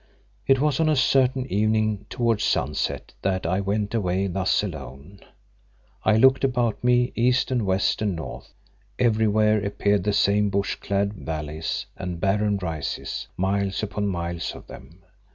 It was on a certain evening towards sunset that I went away thus alone. I looked about me, east and west and north. Everywhere appeared the same bush clad valleys and barren rises, miles upon miles of them.